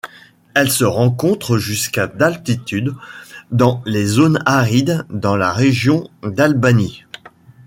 Elle se rencontre jusqu'à d'altitude dans les zones arides dans la région d'Albany.